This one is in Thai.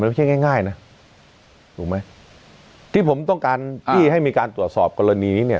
ไม่ใช่ง่ายง่ายนะถูกไหมที่ผมต้องการที่ให้มีการตรวจสอบกรณีนี้เนี่ย